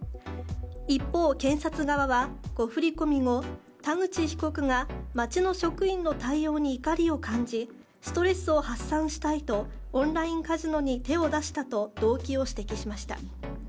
一方、検察側は誤振込後田口被告が町の職員の対応に怒りを感じストレスを発散したいとオンラインカジノに手を出したと動機を指摘しました。